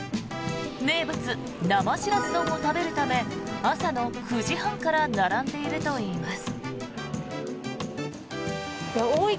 名物・生シラス丼を食べるため朝の９時半から並んでいるといいます。